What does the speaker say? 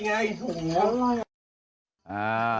น้ำจิ้มกลัวอีกละ